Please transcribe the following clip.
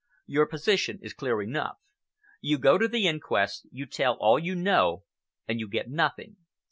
Your position is clear enough. You go to the inquest, you tell all you know, and you get nothing.